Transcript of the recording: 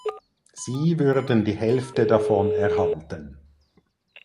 Sie würden die Hälfte davon erhalten.